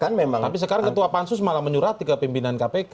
tapi sekarang ketua pansus malah menyurati ke pimpinan kpk